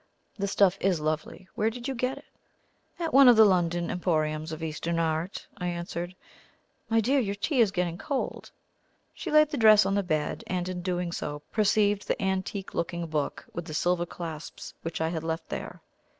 The stuff is lovely; where did you get it?" "At one of the London emporiums of Eastern art," I answered. "My dear, your tea is getting cold." She laid the dress on the bed, and in doing so, perceived the antique looking book with the silver clasps which I had left there.